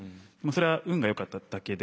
それは運がよかっただけで。